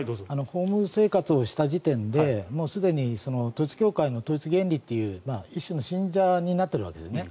訪問販売をした時点ですでに統一教会の統一原理という一種の信者になっているわけですね。